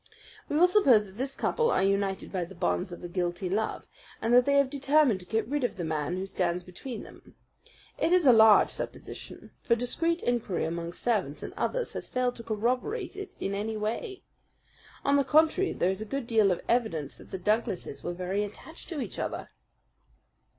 "We will suppose that this couple are united by the bonds of a guilty love, and that they have determined to get rid of the man who stands between them. It is a large supposition; for discreet inquiry among servants and others has failed to corroborate it in any way. On the contrary, there is a good deal of evidence that the Douglases were very attached to each other."